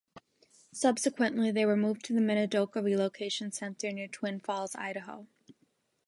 Subsequently, they were moved to the Minidoka relocation center near Twin Falls, Idaho.